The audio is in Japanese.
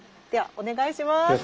ではお願いします。